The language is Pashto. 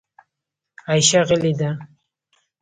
عایشه غلې ده .